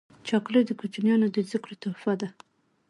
چاکلېټ د کوچنیانو د زوکړې تحفه ده.